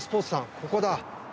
ここだ。